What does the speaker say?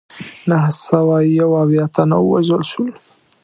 نهه سوه یو اویا تنه ووژل شول.